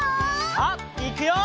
さあいくよ！